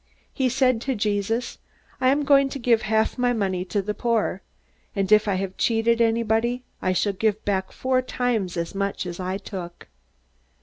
He said to Jesus: "I am going to give half my money to the poor. And if I have cheated anybody I shall give back four times as much as I took."